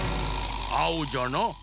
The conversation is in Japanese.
あおじゃな。